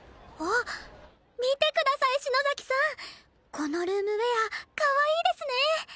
このルームウェアかわいいですね！